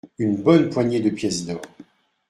Une bonne poignée de pièces d’or.